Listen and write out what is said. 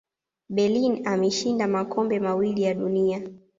berlin ameshinda makombe mawili ya dunia